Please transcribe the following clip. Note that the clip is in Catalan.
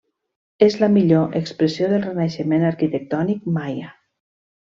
És la millor expressió del renaixement arquitectònic maia.